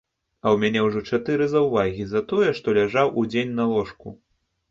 А ў мяне ўжо чатыры заўвагі за тое, што ляжаў удзень на ложку.